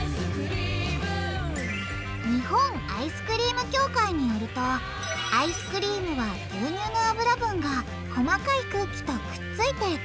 日本アイスクリーム協会によるとアイスクリームは牛乳の脂分が細かい空気とくっついて凍ったもの。